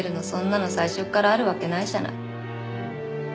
そんなの最初からあるわけないじゃない。